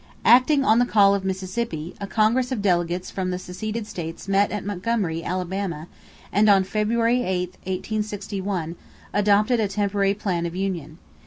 = Acting on the call of Mississippi, a congress of delegates from the seceded states met at Montgomery, Alabama, and on February 8, 1861, adopted a temporary plan of union.